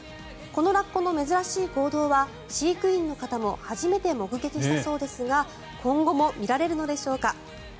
このラッコの珍しい行動は飼育員の方も初めて目撃したそうですが今後も見られるのでしょうか。